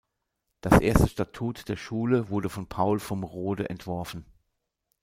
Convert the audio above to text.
Das erste Statut der Schule wurde von Paul vom Rode entworfen.